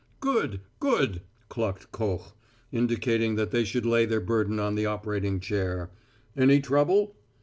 "Good good!" clucked Koch, indicating that they should lay their burden on the operating chair. "Any trouble?"